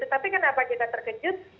tapi kenapa kita terkejut